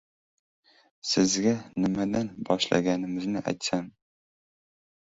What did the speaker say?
Sizga nimadan boshlaganimizni aytsam